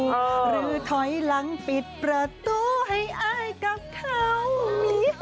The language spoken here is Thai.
หรือท้อยล้างปิดประตูให้อายก็เขามีห้างต่อ